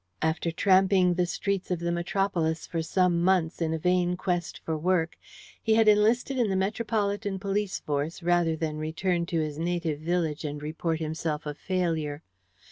After tramping the streets of the metropolis for some months in a vain quest for work, he had enlisted in the metropolitan police force rather than return to his native village and report himself a failure.